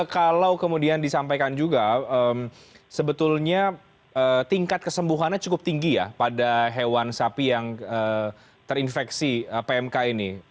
kalau kemudian disampaikan juga sebetulnya tingkat kesembuhannya cukup tinggi ya pada hewan sapi yang terinfeksi pmk ini